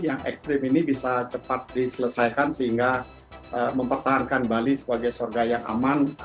yang ekstrim ini bisa cepat diselesaikan sehingga mempertahankan bali sebagai surga yang aman